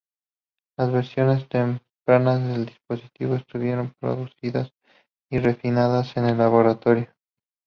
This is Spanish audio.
Las versiones tempranas del dispositivo estuvieron producidas y refinadas en el laboratorio.